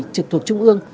trực thuộc trung ương